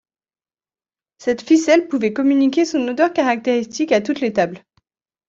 Cette ficelle pouvait communiquer son odeur caractéristique à toute l'étable.